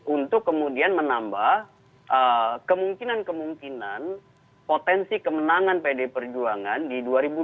untuk kemudian menambah kemungkinan kemungkinan potensi kemenangan pdi perjuangan di dua ribu dua puluh